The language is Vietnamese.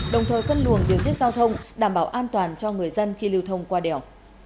đồng thời cân luồng điều tiết giao thông đảm bảo an toàn cho người dân khi lưu thông qua đèo